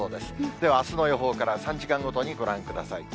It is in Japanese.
ではあすの予報から３時間ごとにご覧ください。